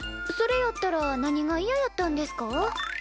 それやったら何がいややったんですか？